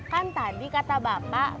kan tadi kata bapak